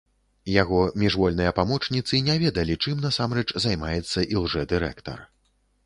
Яго міжвольныя памочніцы не ведалі, чым насамрэч займаецца ілжэ-дырэктар.